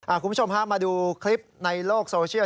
คุณผู้ชมฮะมาดูคลิปในโลกโซเชียล